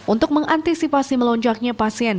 untuk mengantisipasi melonjaknya pasien